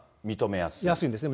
やすいんですね。